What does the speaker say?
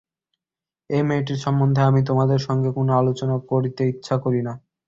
এই মেয়েটির সম্বন্ধে আমি তোমাদের সঙ্গে কোনো আলোচনা করিতে ইচ্ছা করি না।